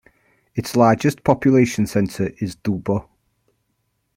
Its largest population centre is Dubbo.